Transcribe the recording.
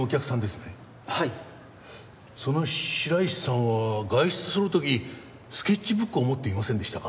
その白石さんは外出の時スケッチブックを持っていませんでしたか？